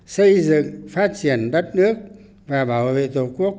xây dựng phát triển đất nước và bảo vệ tổ quốc